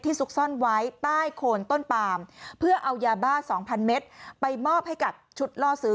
ซุกซ่อนไว้ใต้โคนต้นปามเพื่อเอายาบ้า๒๐๐เมตรไปมอบให้กับชุดล่อซื้อ